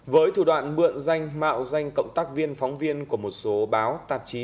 với thủ đoạn mượn danh mạo danh cộng tác viên phóng viên của một số báo tạp chí